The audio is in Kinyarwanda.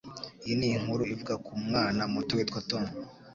Iyi ni inkuru ivuga ku mwana muto witwa Tom.